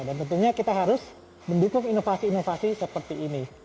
dan tentunya kita harus mendukung inovasi inovasi seperti ini